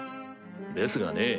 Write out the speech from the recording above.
ですがね